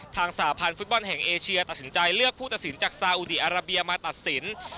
สาพันธ์ฟุตบอลแห่งเอเชียตัดสินใจเลือกผู้ตัดสินจากซาอุดีอาราเบียมาตัดสิน